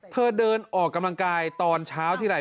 เธอเดินออกกำลังกายตอนเช้าทีไร